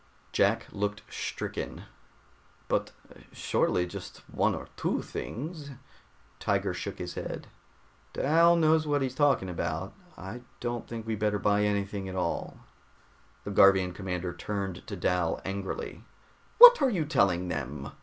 Jack looked stricken. "But surely just one or two things " Tiger shook his head. "Dal knows what he's talking about. I don't think we'd better buy anything at all." The Garvian commander turned to Dal angrily. "What are you telling them?